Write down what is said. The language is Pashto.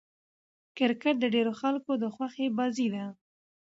کرکټ د ډېرو خلکو د خوښي بازي ده.